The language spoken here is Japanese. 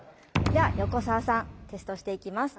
では横澤さんテストしていきます。